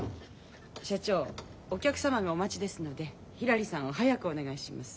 社長お客様がお待ちですのでひらりさんを早くお願いします。